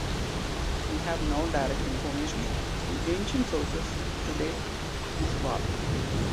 We have no direct information in ancient sources to date this war.